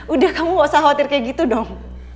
udah kamu gak usah khawatir kayak gitu dong